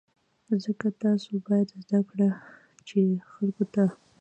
ځکه تاسو باید زده کړئ چې خلکو ته.